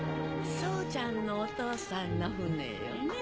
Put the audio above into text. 宗ちゃんのお父さんの船よね？